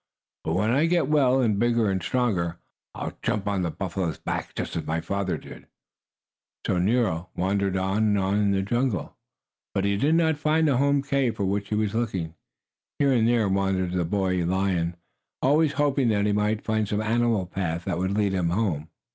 "But when I get well, and bigger and stronger, I'll jump on a buffalo's back, just as my father did!" So Nero wandered on and on in the jungle, but he did not find the home cave for which he was looking. Here and there wandered the boy lion, always hoping that he might find some animal path that would lead him home.